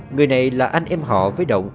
người này là anh em họ với động